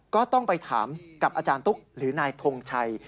ก็ต้องไปถามกับอาจารย์ตุ๊กหรือนายทงชัย